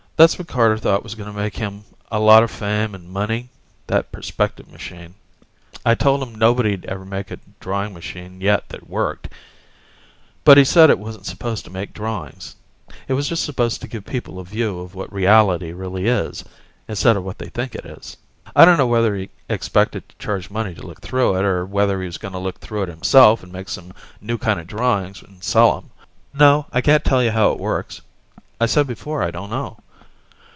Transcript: That's what Carter thought was going to make him a lot of fame and money, that perspective machine. I told him nobody'd ever made a drawing machine yet that worked, but he said it wasn't supposed to make drawings. It was just supposed to give people a view of what reality really is, instead of what they think it is. I dunno whether he expected to charge money to look through it, or whether he was gonna look through it himself and make some new kinda drawings and sell 'em. No, I can't tell you how it works I said before I don't know.